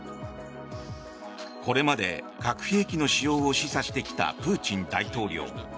これまで、核兵器の使用を示唆してきたプーチン大統領。